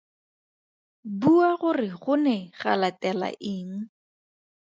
Bua gore go ne ga latela eng.